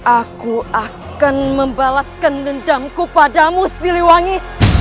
aku akan membalaskan dendamku padamu siliwangi